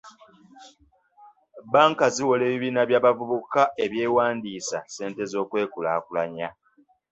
Banka ziwola ebibiina by'abavubuka ebyewandiisa ssente z'okwekulaakulanya.